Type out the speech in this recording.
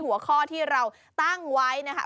หัวข้อที่เราตั้งไว้นะคะ